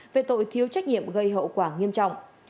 về tội thiếu trách nhiệm gây hậu quả nghiêm trọng